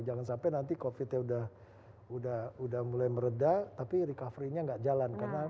jangan sampai nanti kopi teh udah udah udah mulai meredah tapi recovery nya enggak jalan karena